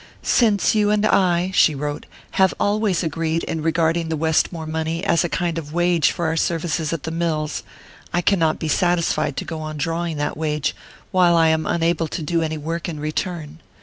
"Since you and I," she wrote, "have always agreed in regarding the Westmore money as a kind of wage for our services at the mills, I cannot be satisfied to go on drawing that wage while I am unable to do any work in return.